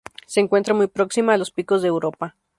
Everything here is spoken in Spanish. Se encuentra muy próxima a los Picos de Europa.